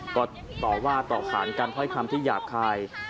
ก็ตอบว่าต่อขานกันเพราะความที่อยากค่าย